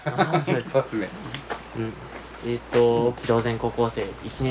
えっと島前高校生１年